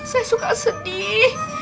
saya suka sedih